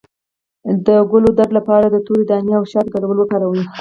د ګلو درد لپاره د تورې دانې او شاتو ګډول وکاروئ